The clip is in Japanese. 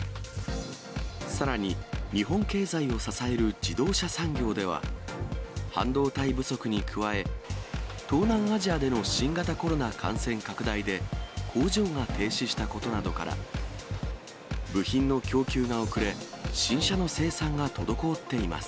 さらに、日本経済を支える自動車産業では、半導体不足に加え、東南アジアでの新型コロナ感染拡大で、工場が停止したことなどから、部品の供給が遅れ、新車の生産が滞っています。